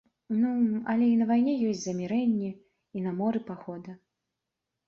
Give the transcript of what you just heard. Ну, але і на вайне ёсць замірэнні, і на моры пагода.